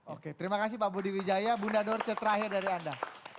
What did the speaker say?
oke terima kasih pak budi wijaya bunda dorce terakhir dari anda